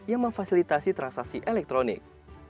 yang memfasilitasi transaksi elektronik